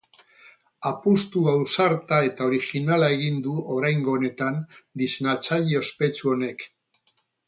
Apustu ausarta eta orijinala egin du oraingo honetan diseinatzaile ospetsu honek.